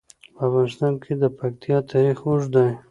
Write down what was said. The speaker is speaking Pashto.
په افغانستان کې د پکتیا تاریخ اوږد دی.